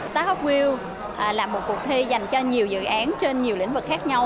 startup wheel là một cuộc thi dành cho nhiều dự án trên nhiều lĩnh vực khác nhau